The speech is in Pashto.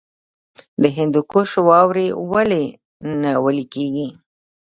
د هندوکش واورې ولې نه ویلی کیږي؟